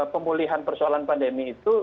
pemulihan persoalan pandemi itu